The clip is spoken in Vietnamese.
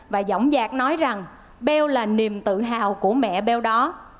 và giọng giạc nói rằng beo là niềm tự hào của mẹ beo đó